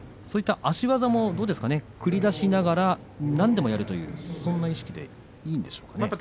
そういった足技も繰り出しながら何でもやるという、そんな意識でいいんでしょうかね？